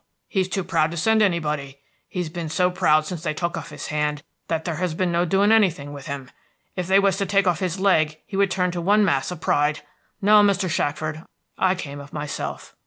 He's too proud to send to anybody. He's been so proud since they took off his hand that there has been no doing anything with him. If they was to take off his leg, he would turn into one mass of pride. No, Mr. Shackford, I came of myself."